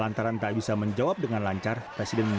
jawa tenggul hijiki ban doa duanya tinduk rakyat bandung